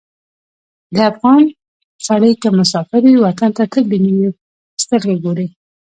د افغان سړی که مسافر وي، وطن ته تل د مینې په سترګه ګوري.